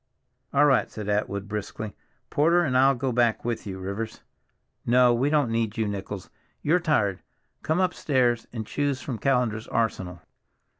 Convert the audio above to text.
"All right," said Atwood briskly. "Porter and I'll go back with you, Rivers. No, we don't need you, Nichols, you're tired. Come upstairs and choose from Callender's arsenal."